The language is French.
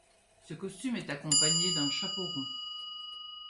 Ce costume est accompagné d’un chapeau rond.